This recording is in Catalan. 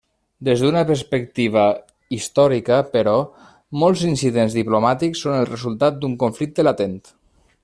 Des d'una perspectiva històrica però, molts incidents diplomàtics són el resultat d'un conflicte latent.